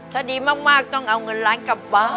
ถ้าดีมากต้องเอาเงินล้านกลับบ้าน